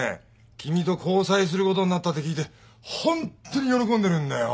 君と交際することになったって聞いてホンットに喜んでるんだよ。